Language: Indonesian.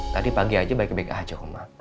tadi pagi aja baik baik aja kemarin